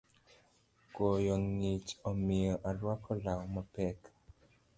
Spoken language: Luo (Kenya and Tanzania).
Koyo ng’ich omiyo arwako law mapek